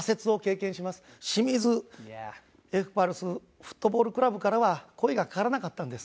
清水エスパルスフットボールクラブからは声が掛からなかったんです。